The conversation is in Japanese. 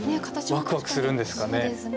ワクワクするんですかね。